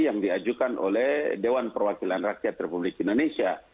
yang diajukan oleh dewan perwakilan rakyat republik indonesia